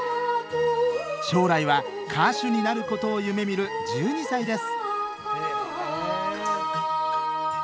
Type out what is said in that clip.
将来は歌手になることを夢みる１２歳です